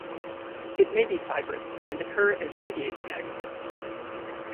It may be fibrous and occur as radiating aggregates.